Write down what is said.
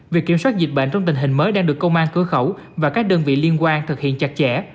việc kiểm soát dịch bệnh trong tình hình mới đang được công an cửa khẩu và các đơn vị liên quan thực hiện chặt chẽ